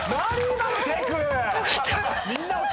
今のテク！